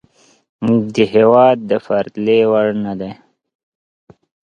دې هېواد د پرتلې وړ نه وه.